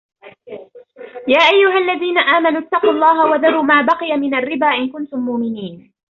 يا أيها الذين آمنوا اتقوا الله وذروا ما بقي من الربا إن كنتم مؤمنين